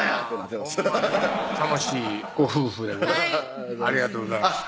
楽しいご夫婦ではいありがとうございました